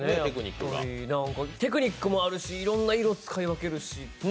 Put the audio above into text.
テクニックもあるし、いろんな色、使い分けるし。